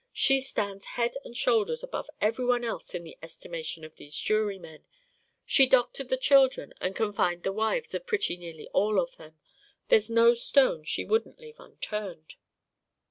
She stands head and shoulders above every one else in the estimation of these jurymen; she doctored the children and confined the wives of pretty near all of them. There's no stone she wouldn't leave unturned."